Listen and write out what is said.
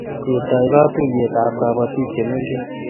Ketoi katuiyet ab kapotik chemengech